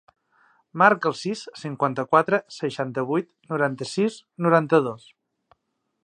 Marca el sis, cinquanta-quatre, seixanta-vuit, noranta-sis, noranta-dos.